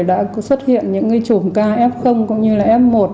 đã xuất hiện những cái chủng ca f cũng như là f một